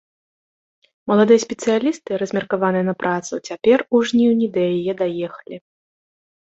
Маладыя спецыялісты, размеркаваныя на працу, цяпер, у жніўні, да яе даехалі.